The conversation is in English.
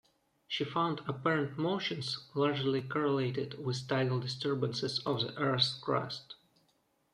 She found apparent motions largely correlated with tidal disturbances of the earth's crust.